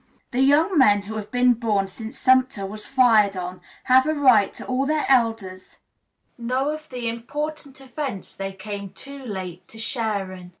The young men who have been born since Sumter was fired on have a right to all their elders know of the important events they came too late to share in.